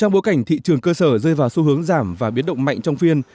trong bối cảnh thị trường cơ sở rơi vào xu hướng giảm và biến động mạnh trong phiên